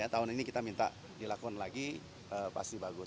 tahun ini kita minta dilakukan lagi pasti bagus